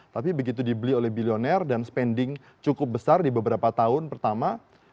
tapi begitu dibeli oleh bilioner dan spending cukup besar di beberapa tahun pertama